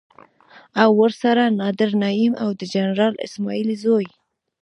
او ورسره نادر نعيم او د جنرال اسماعيل زوی.